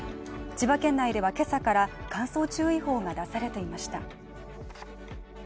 千葉県内ではけさから乾燥注意報が出されていました。